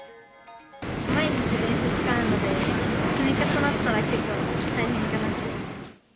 毎日電車使うので、積み重なったら結構、大変かなって。